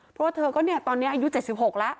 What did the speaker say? เพราะว่าเธอก็เนี่ยตอนนี้อายุ๗๖แล้ว